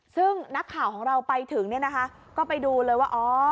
ซึ่งนักข่าวของเราไปถึงเนี่ยนะคะก็ไปดูเลยว่า